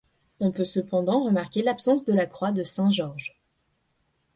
On peut cependant remarquer l'absence de la croix de saint Georges.